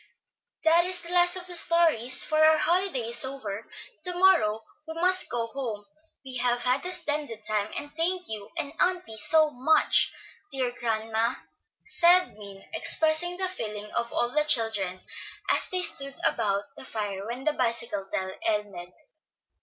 "That is the last of the stories, for our holiday is over, and to morrow we must go home. We have had a splendid time, and thank you and auntie so much, dear grandma," said Min, expressing the feeling of all the children, as they stood about the fire when the bicycle tale ended.